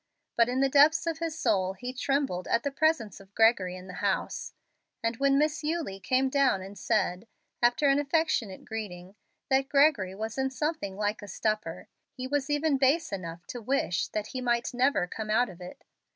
But in the depths of his soul he trembled at the presence of Gregory in the house; and when Miss Eulie came down and said, after an affectionate greeting, that Gregory was in something like a stupor, he was even base enough to wish that he might never come out of it.